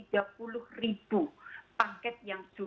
namun kej dough sejatiultada saya video yang tadi